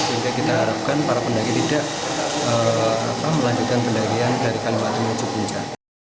sehingga kita harapkan para pendaki tidak melanjutkan pendakian dari kaliwati menuju puncak